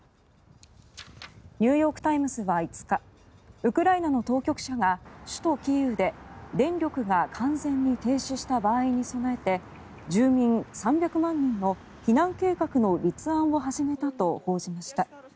ニューヨーク・タイムズは５日ウクライナの当局者が首都キーウで電力が完全に停止した場合に備えて住民３００万人の避難計画の立案を始めたと報じました。